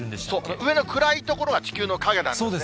上の暗い所が地球の影なんですね。